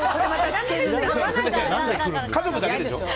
家族だけでしょ。